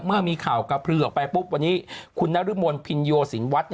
เมื่อมีข่าวกระพือออกไปปุ๊บวันนี้คุณนรมนภินโยสินวัฒน์